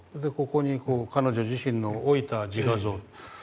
ここに彼女自身の老いた自画像。